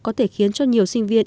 có thể khiến cho nhiều sinh viên